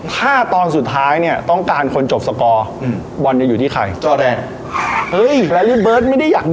ถ้าตอนสุดท้ายเนี่ยต้องการคนจบสกอร์อืม